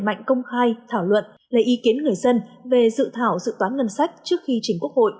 mạnh công khai thảo luận lấy ý kiến người dân về dự thảo dự toán ngân sách trước khi chỉnh quốc hội